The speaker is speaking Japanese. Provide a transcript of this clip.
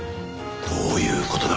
どういう事だ？